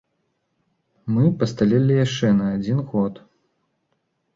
Мы пасталелі яшчэ на адзін год.